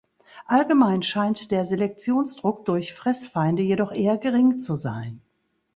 Allgemein scheint der Selektionsdruck durch Fressfeinde jedoch eher gering zu sein.